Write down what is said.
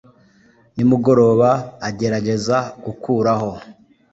nimugoroba agerageza gukuraho